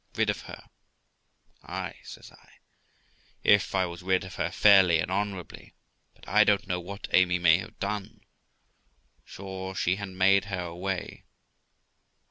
'Rid of her! Ay', says I, 'if I was rid of her fairly and honourably; but I don't know what Amy may have done. Sure, she ha'n't made her away?'